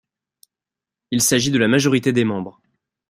Il s'agit de la majorité des membres.